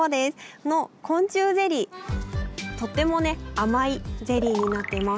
この昆虫ゼリーとっても甘いゼリーになっています。